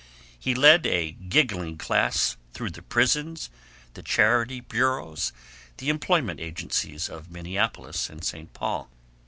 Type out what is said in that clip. He led a giggling class through the prisons, the charity bureaus, the employment agencies of Minneapolis and St. Paul.